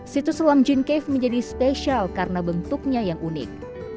situs selam jincave menjadi spesial karena bentuknya yang unik